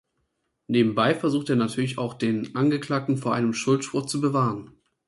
Nebenbei versucht er natürlich auch den Angeklagten vor einem Schuldspruch zu bewahren.